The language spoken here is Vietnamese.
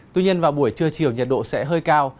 tuy nhiên vào buổi trưa chiều nhiệt độ sẽ hơi cao